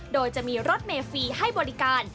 โดยจะมีรถเมฟรีให้บริการ